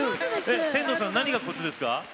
天童さん何がコツですか？